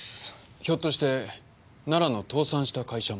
ひょっとして奈良の倒産した会社も。